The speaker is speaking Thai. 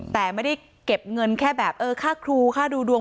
แต่ไม่ได้เก็บเงินแค่แบบเออค่าครูค่าดูดวง